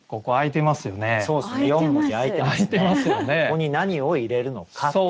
ここに何を入れるのかという。